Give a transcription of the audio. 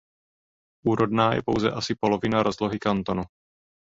Úrodná je pouze asi polovina rozlohy kantonu.